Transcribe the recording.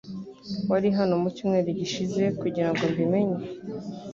Wari hano mucyumweru gishize kugirango mbi menye